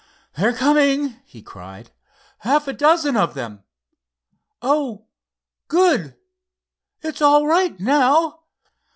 "They're coming," he cried "A half dozen of them! Oh, good! It's all right now."